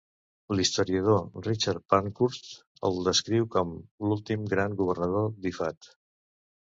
L'historiador Richard Pankhurst el descriu com l'últim gran governant d'Ifat.